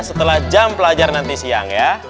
setelah jam pelajar nanti siang ya